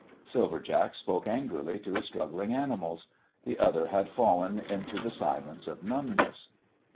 Silver Jack spoke angrily to his struggling animals. The other had fallen into the silence of numbness.